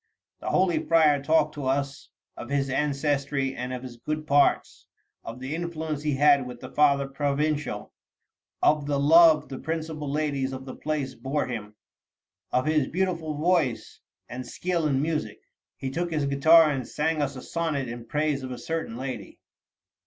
The holy friar talked to us of his ancestry, of his good parts, of the influence he had with the Father Provincial, of the love the principal ladies of the place bore him, of his beautiful voice and skill in music. He took his guitar and sang us a sonnet in praise of a certain lady."